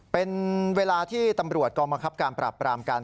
เป็นเวลาที่ตำรวจกองบังคับการปราบปรามการ